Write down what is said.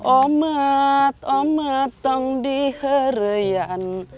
omat omat tong di herian